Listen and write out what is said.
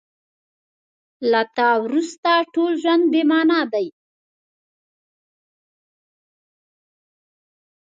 له تا وروسته ټول ژوند بې مانا دی.